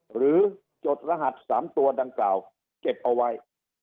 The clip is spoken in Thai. จดรหัส๓ตัวดังกล่าวเก็บเอาไว้